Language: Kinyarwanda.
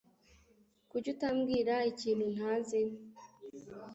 Kuki utambwira ikintu ntazi?